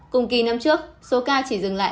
cùng kỳ năm trước số ca chỉ dừng lại